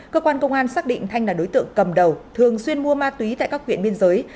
cơ quan công an xác định thanh là đối tượng cầm đầu thường xuyên mua ma túy tại các huyện biên giới